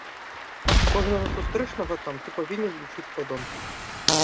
Кожнага сустрэчнага там ты павінен лічыць падонкам.